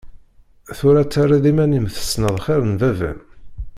Tura terriḍ iman-im tessneḍ xir n baba-m.